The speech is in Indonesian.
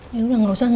ya udah gak usah